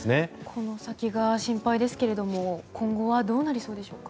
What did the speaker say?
この先が心配ですが今後はどうなりそうでしょうか。